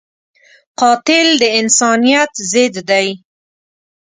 قاتل د انسانیت ضد دی